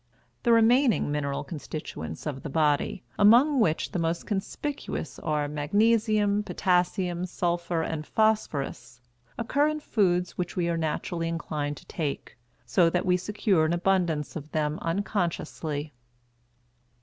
The remaining mineral constituents of the body, among which the most conspicuous are magnesium, potassium, sulphur, and phosphorus, occur in foods which we are naturally inclined to take, so that we secure an abundance of them unconsciously.